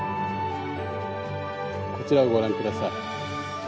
こちらをご覧下さい。